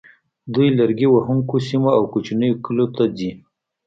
دوی لرګي وهونکو سیمو او کوچنیو کلیو ته ځي